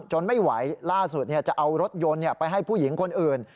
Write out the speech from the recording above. ไม่ไหวล่าสุดจะเอารถยนต์ไปให้ผู้หญิงคนอื่น